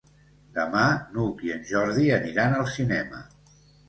Demà n'Hug i en Jordi aniran al cinema.